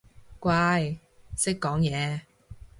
乖，識講嘢